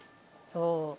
そう。